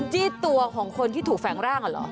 จี้ตัวของคนที่ถูกแฝงร่างเหรอ